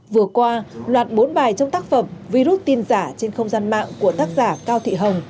vừa qua loạt bốn bài trong tác phẩm virus tin giả trên không gian mạng của tác giả cao thị hồng